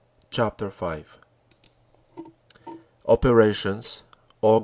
4 CHAPTER V OPERATIONS : AUG.